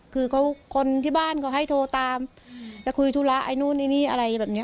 คือคนที่บ้านก็ให้โทรตามและคุยธุระไอหนู่นอะไรแบบเนี้ย